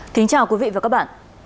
kính chào quý vị và các bạn